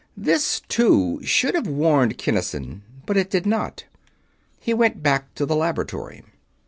This, too, should have warned Kinnison, but it did not. He went back to the Laboratory.